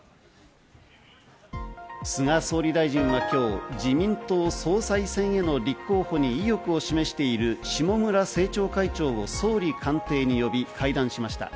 菅総理大臣は今日、自民党総裁選への立候補に意欲を示している下村政調会長を総理官邸に呼び会談しました。